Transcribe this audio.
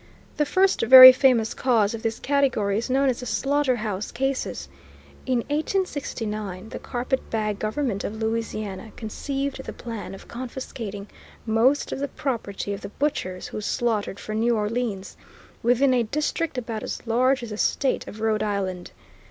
The first very famous cause of this category is known as the Slaughter House Cases. In 1869 the Carpet Bag government of Louisiana conceived the plan of confiscating most of the property of the butchers who slaughtered for New Orleans, within a district about as large as the State of Rhode Island.